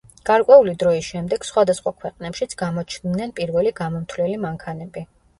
გარკვეული დროის შემდეგ სხვადასხვა ქვეყნებშიც გამოჩნდნენ პირველი გამომთვლელი მანქანები.